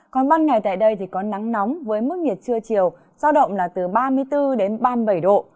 còn ban ngày tại đây thì có nắng nóng với mức nhiệt trưa chiều giao động là từ ba mươi bốn đến ba mươi bảy độ